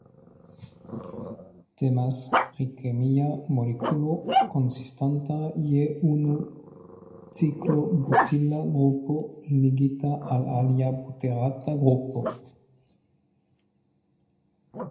Temas pri kemia molekulo konsistanta je unu ciklobutila grupo ligita al alia buterata grupo.